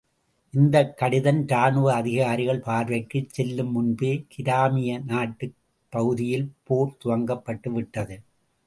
இந்தக் கடிதம் ராணுவ அதிகாரிகள் பார்வைக்குச் செல்லும் முன்பே, கிரிமியா நாட்டுப் பகுதியில் போர் துவங்கப்பட்டு விட்டது.